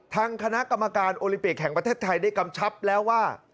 ทางคณะกรรมการโอลิมปิกแห่งประเทศไทยได้กำชับแล้วว่า